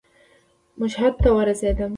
مشهد ته ورسېدم.